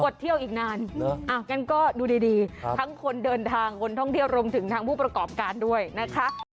เที่ยวอีกนานงั้นก็ดูดีทั้งคนเดินทางคนท่องเที่ยวรวมถึงทางผู้ประกอบการด้วยนะคะ